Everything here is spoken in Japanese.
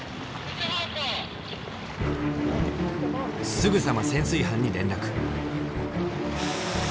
すぐさま潜水班に連絡。